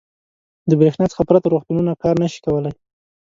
• د برېښنا څخه پرته روغتونونه کار نه شي کولی.